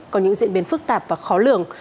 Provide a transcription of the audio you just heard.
có những diễn biến phức tạp và khó lường